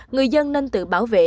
người dân nên tự bảo vệ